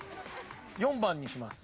４番にします。